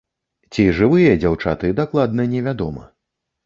Ці жывыя дзяўчаты, дакладна не вядома.